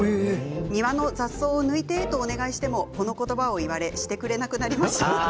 庭の雑草を抜いてとお願いしてもこの言葉を言われしてくれなくなりました。